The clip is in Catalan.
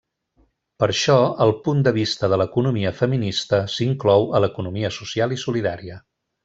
Per això, el punt de vista de l'economia feminista s'inclou a l'economia social i solidària.